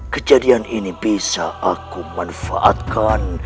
kejadian ini bisa aku manfaatkan